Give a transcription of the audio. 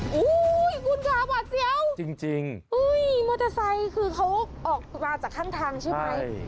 โอ้โหคุณค่ะหวัดเสียวจริงมอเตอร์ไซค์คือเขาออกมาจากข้างทางใช่ไหม